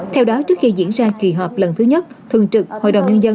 theo đó trước khi diễn ra kỳ họp lần thứ nhất thường trực hội đồng nhân dân